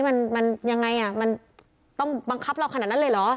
มันมันยังไงอ่ะมันต้องบังคับเราขนาดนั้นเลยเหรอ